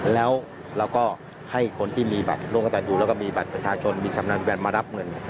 แล้วเราก็ให้คนที่มีบัตรโลกจันทร์อยู่แล้วก็มีบัตรประชาชนมีสำเนินแบบมารับเงิน